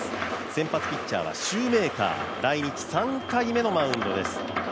先発ピッチャーはシューメーカー来日３回目のマウンドです。